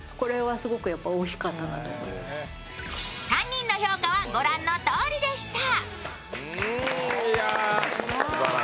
３人の評価はご覧のとおりでした